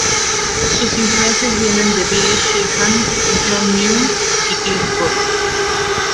Sus influencias vienen de Billy Sheehan, John Myung, Cliff Burton.